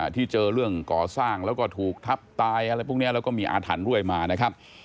ที่เจอเรื่องก่อสร้างแล้วก็ถูกทับตายอะไรพวกนี้แล้วก็มีอาถรรพ์ด้วยมานะครับ